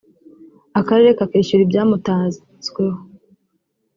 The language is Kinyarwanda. akarere kakishyura ibyamutazweho